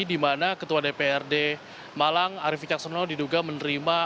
di mana ketua dprd malang arief ficaksono diduga menerima